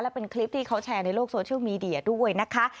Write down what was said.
เป็นคลิปที่เขาแชร์ในโลกโซเชียลมีเดียด้วยนะคะ